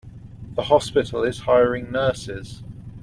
The hospital is hiring nurses.